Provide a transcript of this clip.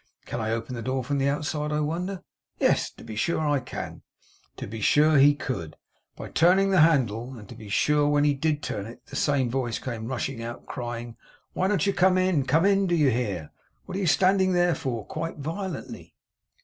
Can I open the door from the outside, I wonder. Yes, to be sure I can.' To be sure he could, by turning the handle; and to be sure when he did turn it the same voice came rushing out, crying 'Why don't you come in? Come in, do you hear? What are you standing there for?' quite violently.